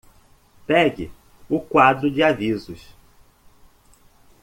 Pegue o quadro de avisos!